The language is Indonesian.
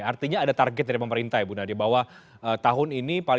artinya ada target dari pemerintah ya bu nadia